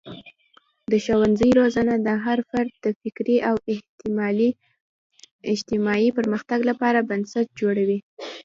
د ښوونځي روزنه د هر فرد د فکري او اجتماعي پرمختګ لپاره بنسټ جوړوي.